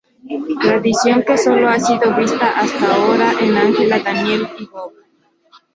Tradición que solo ha sido vista hasta ahora en Angela, Daniel y Bob.